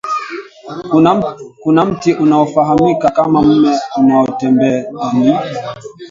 kuna mti unaofahamika kama mmea unaotembea ni